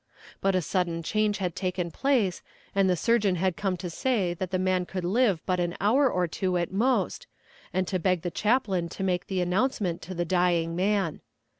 But a sudden change had taken place, and the surgeon had come to say that the man could live but an hour or two at most, and to beg the chaplain to make the announcement to the dying man.